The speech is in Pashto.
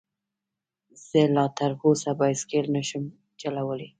زه لا تر اوسه بايسکل نشم چلولی